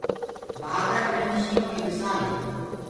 بهآدرآ مِنک شيِنهو ڪي مِسآل هي۔